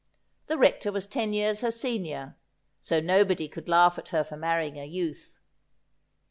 The Rector was ten years her senioi , so nobody could laugh at her for marrying a youth.